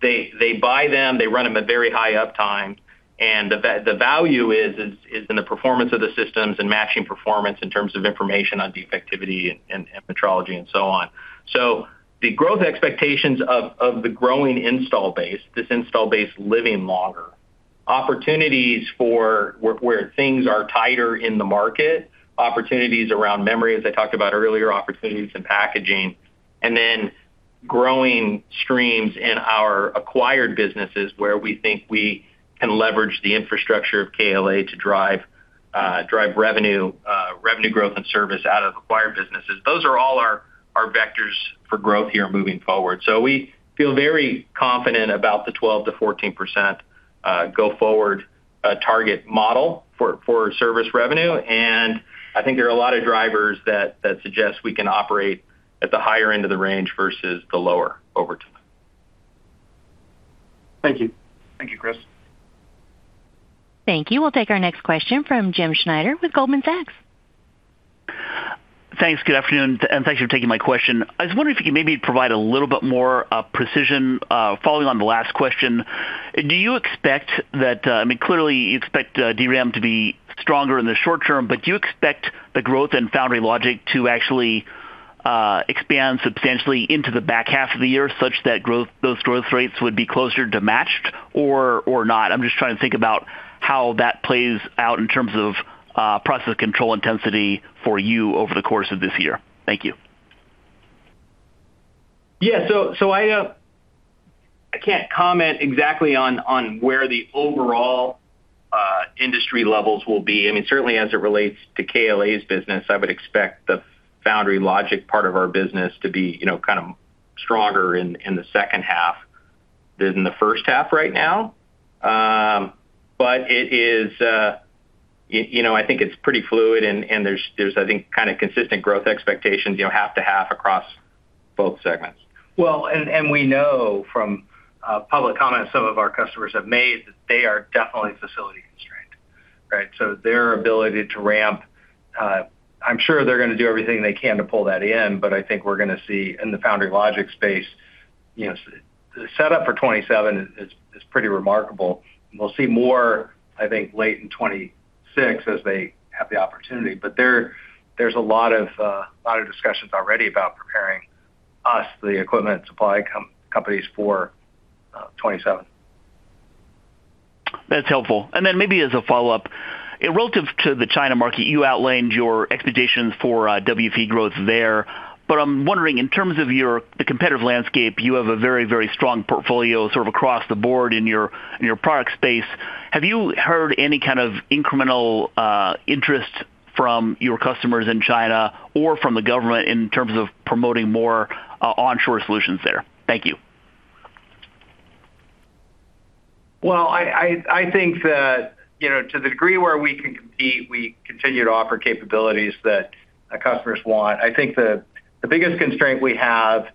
they, they buy them, they run them at very high uptime, and the value is, is, is in the performance of the systems and matching performance in terms of information on defectivity and metrology and so on. So the growth expectations of the growing install base, this install base living longer. Opportunities for where things are tighter in the market, opportunities around memory, as I talked about earlier, opportunities in packaging, and then growing streams in our acquired businesses, where we think we can leverage the infrastructure of KLA to drive revenue, revenue growth, and service out of acquired businesses. Those are all our vectors for growth here moving forward. So we feel very confident about the 12%-14% go-forward target model for service revenue, and I think there are a lot of drivers that suggest we can operate at the higher end of the range versus the lower over time. Thank you. Thank you, Chris. Thank you. We'll take our next question from Jim Schneider with Goldman Sachs. Thanks. Good afternoon, and thanks for taking my question. I was wondering if you could maybe provide a little bit more precision, following on the last question. Do you expect that, I mean, clearly, you expect, DRAM to be stronger in the short term, but do you expect the growth in foundry logic to actually expand substantially into the back half of the year, such that those growth rates would be closer to matched or, or not? I'm just trying to think about how that plays out in terms of, process control intensity for you over the course of this year. Thank you. Yeah, so I can't comment exactly on where the overall industry levels will be. I mean, certainly, as it relates to KLA's business, I would expect the foundry logic part of our business to be, you know, kind of stronger in the second half than in the first half right now. But it is, you know, I think it's pretty fluid, and there's, I think, kind of consistent growth expectations, you know, half to half across both segments. Well, we know from public comments some of our customers have made, that they are definitely facility constrained, right? So their ability to ramp, I'm sure they're gonna do everything they can to pull that in, but I think we're gonna see in the foundry logic space, you know, the setup for 2027 is pretty remarkable. And we'll see more, I think, late in 2026 as they have the opportunity. But there, there's a lot of discussions already about preparing us, the equipment supply companies, for 2027. That's helpful. And relative to the China market, you outlined your expectations for WFE growth there. But I'm wondering, in terms of the competitive landscape, you have a very, very strong portfolio, sort of, across the board in your product space. Have you heard any kind of incremental interest from your customers in China or from the government in terms of promoting more onshore solutions there? Thank you. Well, I think that, you know, to the degree where we can compete, we continue to offer capabilities that our customers want. I think the biggest constraint we have,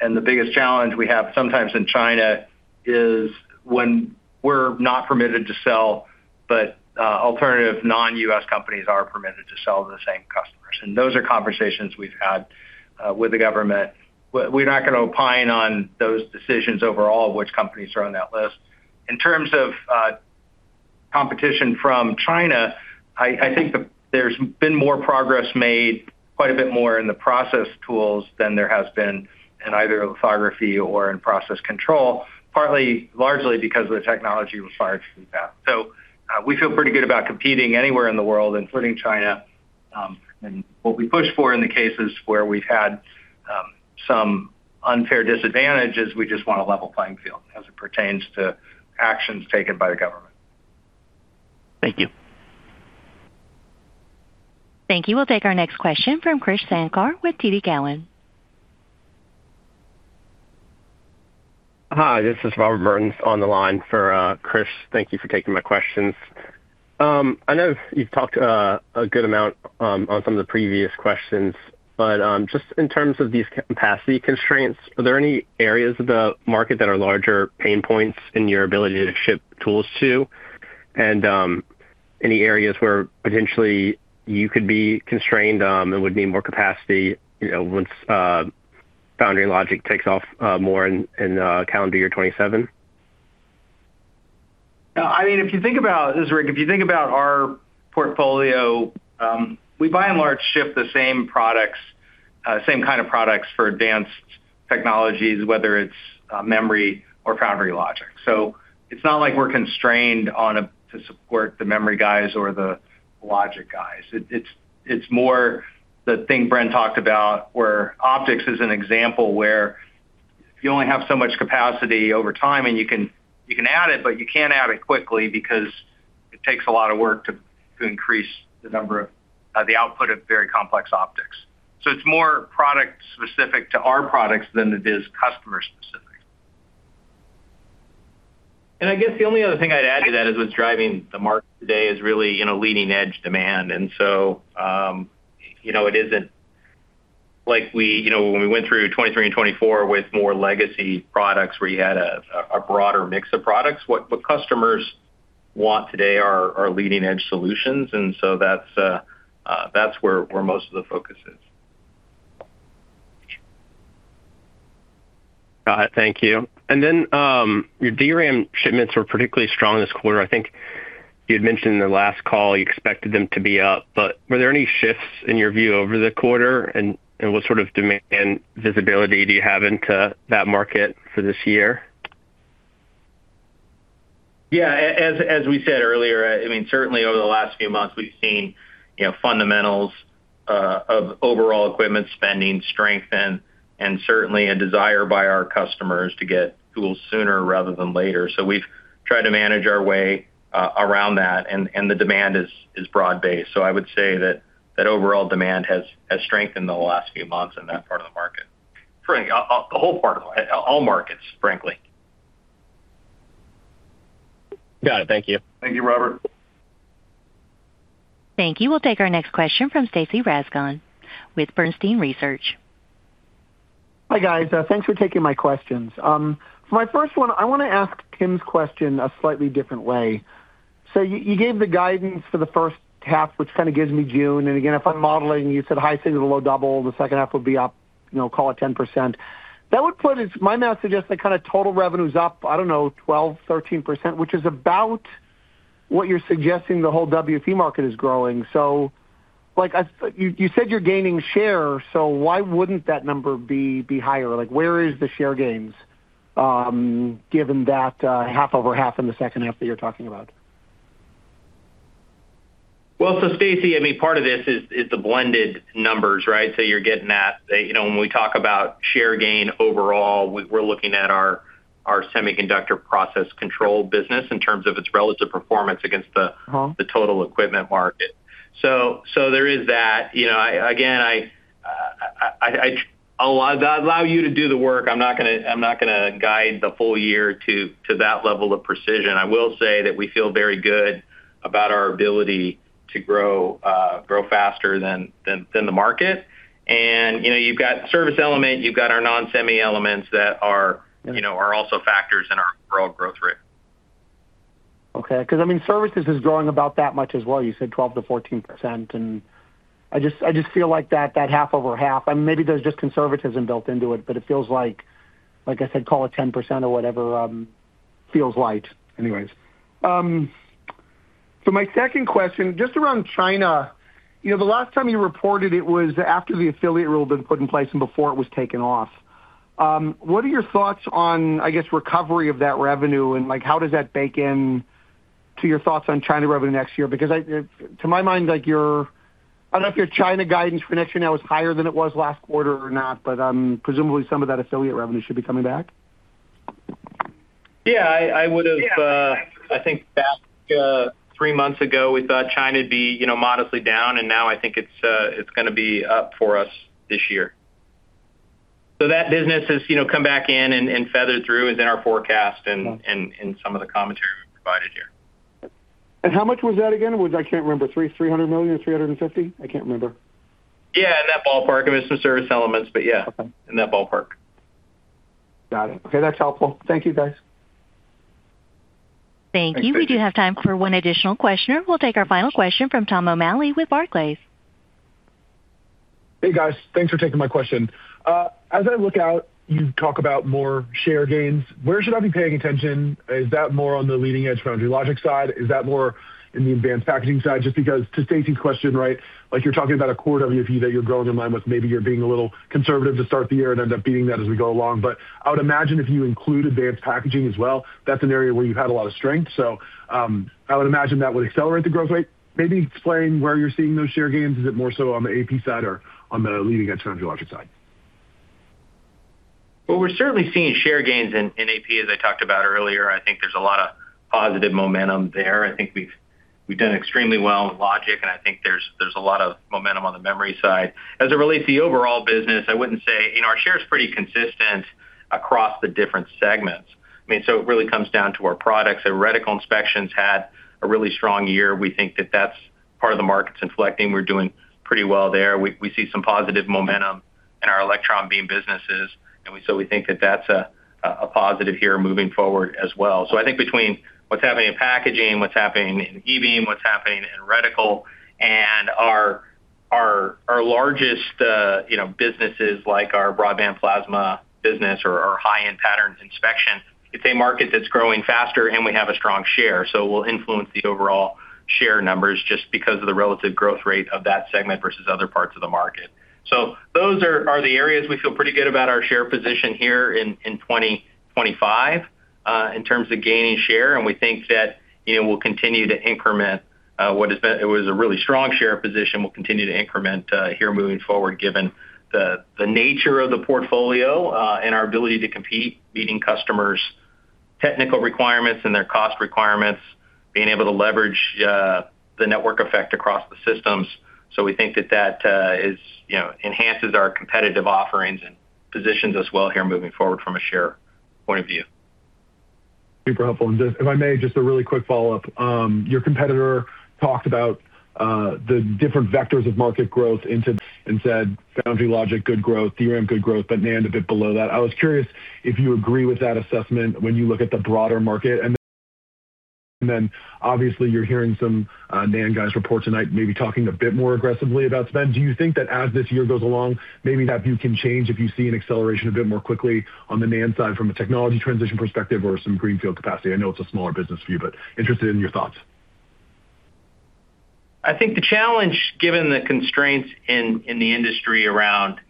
and the biggest challenge we have sometimes in China, is when we're not permitted to sell, but alternative non-US companies are permitted to sell to the same customers, and those are conversations we've had with the government. We're not gonna opine on those decisions overall, which companies are on that list. In terms of competition from China, I think there's been more progress made, quite a bit more in the process tools than there has been in either lithography or in process control, partly, largely because of the technology required to do that. So, we feel pretty good about competing anywhere in the world, including China. What we push for in the cases where we've had some unfair disadvantages, we just want a level playing field as it pertains to actions taken by the government. Thank you. Thank you. We'll take our next question from Krish Sankar with TD Cowen. Hi, this is Robert Burns on the line for Chris. Thank you for taking my questions. I know you've talked a good amount on some of the previous questions, but just in terms of these capacity constraints, are there any areas of the market that are larger pain points in your ability to ship tools to? And any areas where potentially you could be constrained and would need more capacity, you know, once Foundry Logic takes off more in calendar year 2027? I mean, if you think about, this is Rick, if you think about our portfolio, we, by and large, ship the same products, same kind of products for advanced technologies, whether it's memory or foundry logic. So it's not like we're constrained on to support the memory guys or the logic guys. It's more the thing Brent talked about, where optics is an example, where you only have so much capacity over time, and you can, you can add it, but you can't add it quickly because it takes a lot of work to, to increase the number of the output of very complex optics. So it's more product specific to our products than it is customer specific. And I guess the only other thing I'd add to that is, what's driving the market today is really, you know, leading-edge demand. And so, you know, it isn't like we, you know, when we went through 2023 and 2024 with more legacy products, where you had a broader mix of products. What customers want today are leading-edge solutions, and so that's where most of the focus is. Got it. Thank you. And then, your DRAM shipments were particularly strong this quarter. I think you had mentioned in the last call you expected them to be up, but were there any shifts in your view over the quarter, and what sort of demand visibility do you have into that market for this year? Yeah, as, as we said earlier, I mean, certainly over the last few months, we've seen, you know, fundamentals of overall equipment spending strengthen and certainly a desire by our customers to get tools sooner rather than later. So we've tried to manage our way around that, and the demand is broad-based. So I would say that overall demand has strengthened in the last few months in that part of the market. Frankly, all markets, frankly. Got it. Thank you. Thank you, Robert. Thank you. We'll take our next question from Stacy Rasgon with Bernstein Research. Hi, guys, thanks for taking my questions. For my first one, I want to ask Jim's question a slightly different way. So you, you gave the guidance for the first half, which kind of gives me June. And again, if I'm modeling, you said high single to low double, the second half would be up, you know, call it 10%. That would put it... My math suggests that kind of total revenue's up, I don't know, 12, 13%, which is about what you're suggesting the whole WFE market is growing. So like, you, you said you're gaining share, so why wouldn't that number be higher? Like, where is the share gains, given that, half-over-half in the second half that you're talking about? Well, so Stacy, I mean, part of this is the blended numbers, right? So you're getting that. You know, when we talk about share gain, overall, we're looking at our semiconductor process control business in terms of its relative performance against the- Uh-huh... the total equipment market. So, so there is that. You know, again, I'll allow you to do the work. I'm not gonna guide the full year to that level of precision. I will say that we feel very good about our ability to grow faster than the market. And, you know, you've got service element, you've got our non-semi elements that are- Yeah... you know, are also factors in our overall growth rate. Okay, because, I mean, services is growing about that much as well. You said 12%-14%, and I just, I just feel like that, that half over half, and maybe there's just conservatism built into it, but it feels like... Like I said, call it 10% or whatever, feels light. Anyways, so my second question, just around China, you know, the last time you reported it was after the affiliate rule had been put in place and before it was taken off.... What are your thoughts on, I guess, recovery of that revenue, and like how does that bake in to your thoughts on China revenue next year? Because I, to my mind, like your, I don't know if your China guidance for next year now is higher than it was last quarter or not, but, presumably some of that affiliate revenue should be coming back. Yeah, I would have, I think back three months ago, we thought China'd be, you know, modestly down, and now I think it's going to be up for us this year. So that business has, you know, come back in and feathered through, is in our forecast and some of the commentary we've provided here. How much was that again? It was, I can't remember, $300 million or $350 million? I can't remember. Yeah, in that ballpark. I mean, some service elements, but yeah- Okay. In that ballpark. Got it. Okay, that's helpful. Thank you, guys. Thank you. We do have time for one additional questioner. We'll take our final question from Tom O'Malley with Barclays. Hey, guys. Thanks for taking my question. As I look out, you talk about more share gains. Where should I be paying attention? Is that more on the leading-edge Foundry Logic side? Is that more in the advanced packaging side? Just because to Stacy's question, right, like, you're talking about a core WFE that you're growing in line with. Maybe you're being a little conservative to start the year and end up beating that as we go along. But I would imagine if you include advanced packaging as well, that's an area where you've had a lot of strength. So, I would imagine that would accelerate the growth rate. Maybe explain where you're seeing those share gains. Is it more so on the AP side or on the leading-edge Foundry Logic side? Well, we're certainly seeing share gains in AP, as I talked about earlier. I think there's a lot of positive momentum there. I think we've done extremely well in Logic, and I think there's a lot of momentum on the memory side. As it relates to the overall business, I wouldn't say, you know, our share is pretty consistent across the different segments. I mean, so it really comes down to our products. Our reticle inspections had a really strong year. We think that that's part of the markets inflecting. We're doing pretty well there. We see some positive momentum in our electron beam businesses, and so we think that that's a positive here moving forward as well. So I think between what's happening in packaging, what's happening in E-beam, what's happening in reticle, and our largest, you know, businesses, like our Broadband Plasma business or our high-end pattern inspection, it's a market that's growing faster, and we have a strong share. So we'll influence the overall share numbers just because of the relative growth rate of that segment versus other parts of the market. So those are the areas we feel pretty good about our share position here in 2025, in terms of gaining share, and we think that, you know, we'll continue to increment what has been... It was a really strong share position. We'll continue to increment here moving forward, given the nature of the portfolio, and our ability to compete, meeting customers' technical requirements and their cost requirements, being able to leverage the network effect across the systems. So we think that is, you know, enhances our competitive offerings and positions us well here moving forward from a share point of view. Super helpful. And if I may, just a really quick follow-up. Your competitor talked about the different vectors of market growth, and said, Foundry Logic, good growth, DRAM, good growth, but NAND a bit below that. I was curious if you agree with that assessment when you look at the broader market, and then, obviously, you're hearing some NAND guys report tonight, maybe talking a bit more aggressively about spend. Do you think that as this year goes along, maybe that view can change if you see an acceleration a bit more quickly on the NAND side from a technology transition perspective or some greenfield capacity? I know it's a smaller business for you, but interested in your thoughts. I think the challenge, given the constraints in the industry around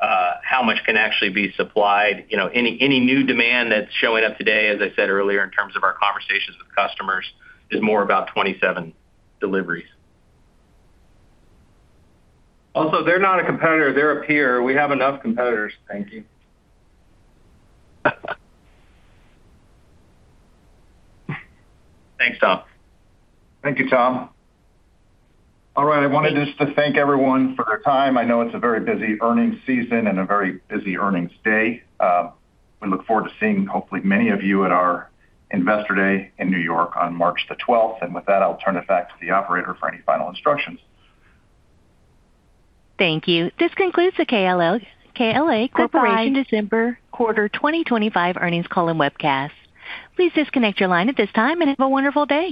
how much can actually be supplied, you know, any new demand that's showing up today, as I said earlier, in terms of our conversations with customers, is more about 27 deliveries. Also, they're not a competitor, they're a peer. We have enough competitors, thank you. Thanks, Tom. Thank you, Tom. All right. I wanted just to thank everyone for their time. I know it's a very busy earnings season and a very busy earnings day. We look forward to seeing, hopefully, many of you at our investor day in New York on March the twelfth. With that, I'll turn it back to the operator for any final instructions. Thank you. This concludes the KLA Corporation- Bye. December quarter 2025 earnings call and webcast. Please disconnect your line at this time and have a wonderful day.